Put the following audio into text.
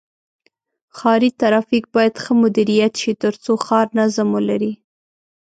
ښاري ترافیک باید ښه مدیریت شي تر څو ښار نظم ولري.